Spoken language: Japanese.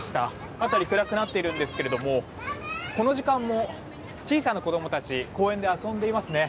辺りが暗くなっているんですけどこの時間も小さな子供たち公園で遊んでいますね。